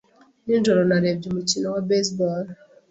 Nijoro narebye umukino wa baseball.